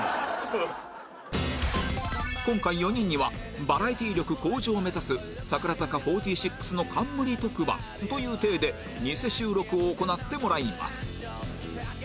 今回４人にはバラエティ力向上を目指す櫻坂４６の冠特番という体でニセ収録を行ってもらいます